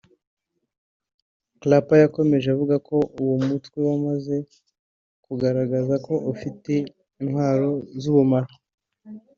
Clapper yakomeje avuga ko uwo mutwe wamaze kugaragaza ko ufite intwaro z’ubumara